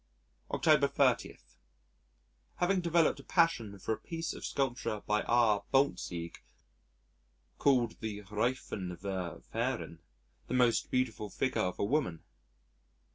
October 30. Having developed a passion for a piece of sculpture by R. Boeltzig called the Reifenwerferin the most beautiful figure of a woman.